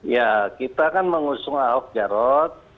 ya kita kan mengusung ahok jarot